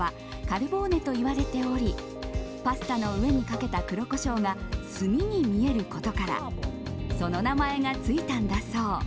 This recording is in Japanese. カルボーネと言われておりパスタの上にかけた黒コショウが炭に見えることからその名前がついたんだそう。